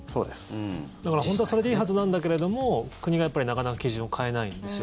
だから、本当はそれでいいはずなんだけれども国がなかなか基準を変えないんですよ。